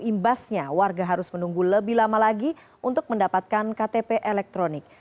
imbasnya warga harus menunggu lebih lama lagi untuk mendapatkan ktp elektronik